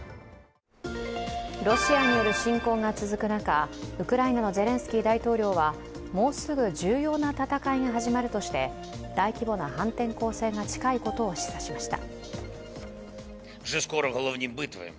ロシアによる侵攻が続く中、ウクライナのゼレンスキー大統領はもうすぐ重要な戦いが始まるとして大規模な反転攻勢が近いことを示唆しました。